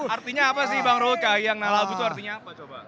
artinya apa sih bang ruh kah yang nalagu itu artinya apa coba